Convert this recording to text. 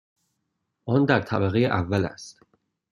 آن در طبقه اول است.